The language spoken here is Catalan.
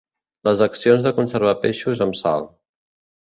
Les accions de conservar peixos amb sal.